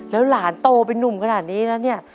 แล้วหลานโตเป็นนุ่มขนาดนี้นะเนี่ย